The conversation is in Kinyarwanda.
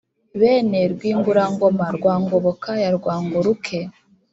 Bene Rwigurangoma rwa Ngoboka ya Rwangoruke